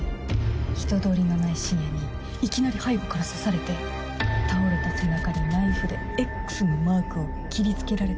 人通りのない深夜にいきなり背後から刺されて倒れた背中にナイフで「Ｘ」のマークを切りつけられて。